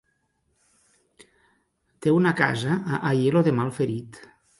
Té una casa a Aielo de Malferit.